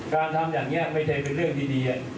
ทำอย่างนี้ไม่ได้เป็นเรื่องที่ดี